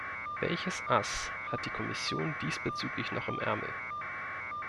Welches Ass hat die Kommission diesbezüglich noch im Ärmel?